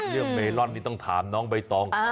เรื่องเมล่อนนี่ต้องถามน้องใบตอง